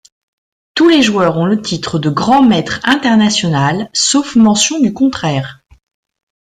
Tous les joueurs ont le titre de grand maître international, sauf mention du contraire.